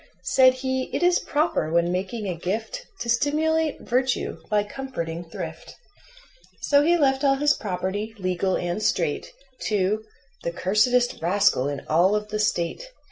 Said he: "It is proper, when making a gift, To stimulate virtue by comforting thrift." So he left all his property, legal and straight, To "the cursedest rascal in all of the State."